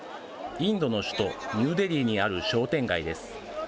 インドの首都ニューデリーにある商店街です。